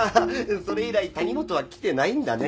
それ以来谷本は来てないんだね？